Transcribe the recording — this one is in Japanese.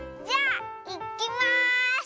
じゃあいきます！